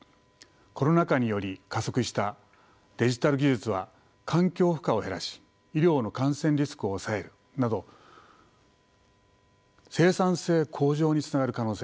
コロナ禍により加速したデジタル技術は環境負荷を減らし医療の感染リスクを抑えるなど生産性向上につながる可能性があります。